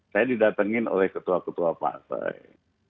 saya didatengin oleh ketua ketua partai